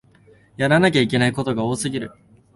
やらなきゃいけないことが多すぎる